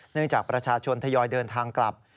จากประชาชนทยอยเดินทางกลับ